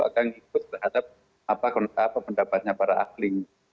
akan ikut terhadap pendapatnya para ahli